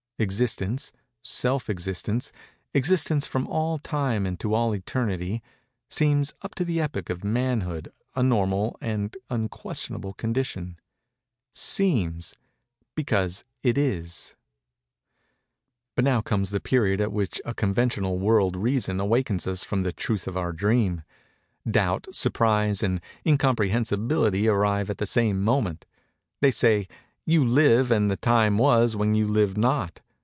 Existence—self existence—existence from all Time and to all Eternity—seems, up to the epoch of Manhood, a normal and unquestionable condition:—seems, because it is. But now comes the period at which a conventional World Reason awakens us from the truth of our dream. Doubt, Surprise and Incomprehensibility arrive at the same moment. They say:—"You live and the time was when you lived not.